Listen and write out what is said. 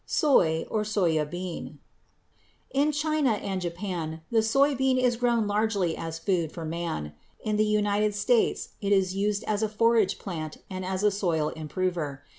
=Soy, or Soja, Bean.= In China and Japan the soy bean is grown largely as food for man. In the United States it is used as a forage plant and as a soil improver.